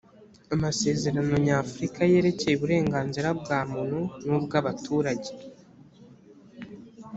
amasezerano nyafurika yerekeye uburenganzira bwa muntu n ubw abaturage